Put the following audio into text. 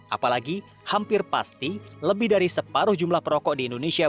apalagi hampir pasti lebih dari separuh jumlah perokok di indonesia